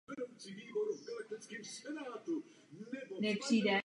Z téhož roku pochází první písemná zmínka o kostele.